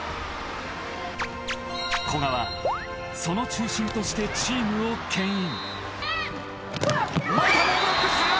［古賀はその中心としてチームをけん引］